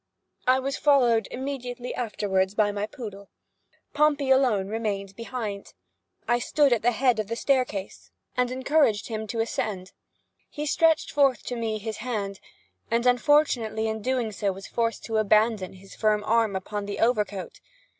I was followed immediately afterward by my poodle. Pompey alone remained behind. I stood at the head of the staircase, and encouraged him to ascend. He stretched forth to me his hand, and unfortunately in so doing was forced to abandon his firm hold upon the overcoat.